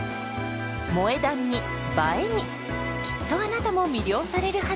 「萌え断」に「映え」にきっとあなたも魅了されるはず！